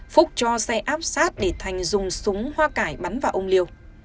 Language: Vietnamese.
phúc cho xe áp sát để thành dùng súng hoa cải bắn vào ông liều